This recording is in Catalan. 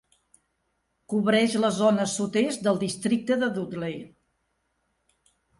Cobreix la zona sud-est del districte de Dudley.